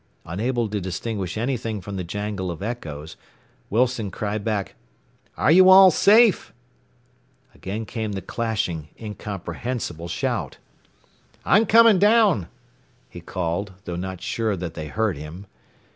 Unable to distinguish anything from the jangle of echoes, Wilson cried back, "Are you all safe?" Again came the clashing, incomprehensible shout. "I'm coming down," he called, though not sure that they heard him.